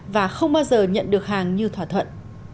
và không bao giờ nhận được hàng như thỏa thuận